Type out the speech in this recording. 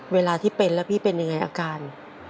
เวลาที่เป็นแล้วพี่เป็นยังไงอาการ